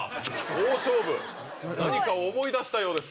大勝負何かを思い出したようです。